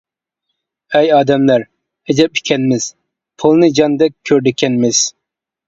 ئەي ئادەملەر، ئەجەب ئىكەنمىز، پۇلنى جاندەك كۆرىدىكەنمىز.